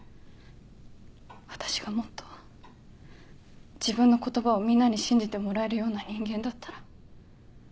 私がもっと自分の言葉をみんなに信じてもらえるような人間だったら。